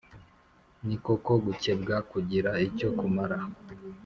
Ni koko gukebwa kugira icyo kumara